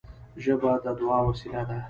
ژبه د دعا وسیله ده